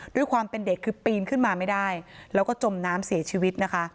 ด้วยความเป็นเด็กคือปีนขึ้นมาไม่ได้แล้วก็จมน้ำเสียชีวิตนะคะ